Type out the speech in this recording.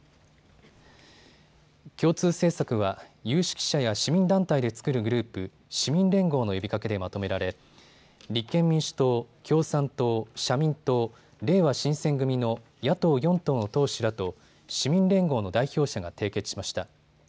共通政策は有識者や市民団体で作るグループ、市民連合の呼びかけでまとめられ立憲民主党、共産党、社民党、れいわ新選組の野党４党の党首らと市民連合の代表者が締結しました。